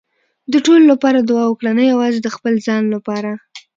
د ټولو لپاره دعا وکړه، نه یوازې د خپل ځان لپاره.